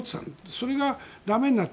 それが駄目になって。